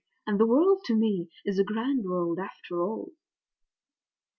and the world to me is a grand world after all!